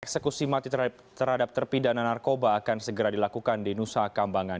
eksekusi mati terhadap terpidana narkoba akan segera dilakukan di nusa kambangan